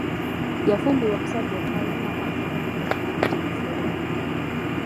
Yafumbirwa omusajja okumala emyaka munaana nga takimanyi nti mufere.